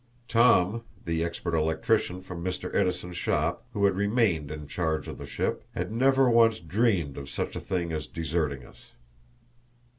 Tom, the expert electrician from Mr. Edison's shop, who had remained in charge of the ship, had never once dreamed of such a thing as deserting us.